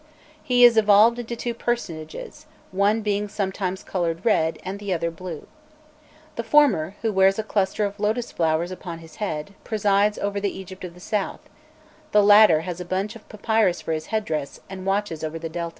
He is evolved into two personages, one being sometimes coloured red, and the other blue. The former, who wears a cluster of lotus flowers upon his head, presides over the Egypt of the south; the latter has a bunch of papyrus for his head dress, and watches over the Delta.